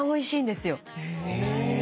へぇ。